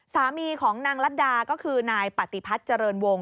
สามีของนางรัฐดาก็คือนายปฏิพัฒน์เจริญวง